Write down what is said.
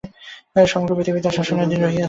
সমগ্র প্রকৃতিই তাঁহার শাসনাধীন রহিয়াছে।